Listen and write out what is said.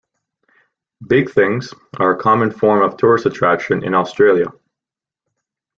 Big Things are a common form of tourist attraction in Australia.